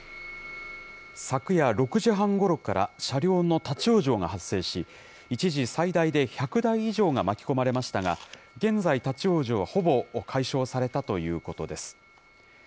昨夜６時半ごろから車両の立往生が発生し、一時、最大で１００台以上が巻き込まれましたが、現在、立往生はほぼ解消されたということです。